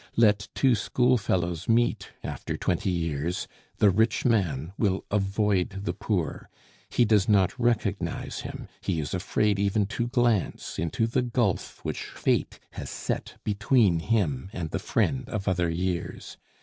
Let two schoolfellows meet after twenty years, the rich man will avoid the poor; he does not recognize him, he is afraid even to glance into the gulf which Fate has set between him and the friend of other years.